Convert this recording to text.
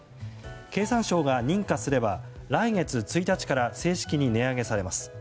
経産省が認可すれば来月１日から正式に値上げされます。